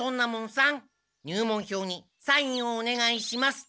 入門票にサインをおねがいします！